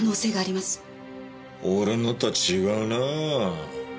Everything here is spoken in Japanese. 俺のとは違うなぁ。